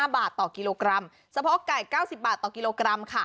๕บาทต่อกิโลกรัมสะโพกไก่๙๐บาทต่อกิโลกรัมค่ะ